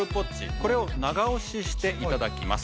これを長押ししていただきます。